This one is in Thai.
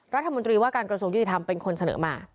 รัฐมนตรีว่าการกระทรวงยุติธรรมเป็นคนเสนอมา